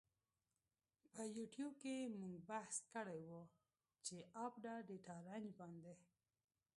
په یوټیو کی مونږ بحث کړی وه په آپډا ډیټا رنج باندی.